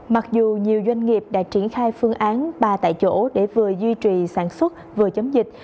mặc dù nhiều doanh nghiệp đã triển khai phương án ba tại chỗ để vừa duy trì sản xuất vừa chống dịch